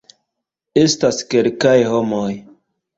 Estas kelkaj homoj